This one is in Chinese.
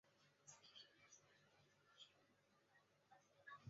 靠生命维持系统维持生命。